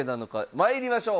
まいりましょう。